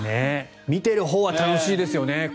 見ているほうは楽しいですよね。